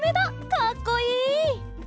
かっこいい！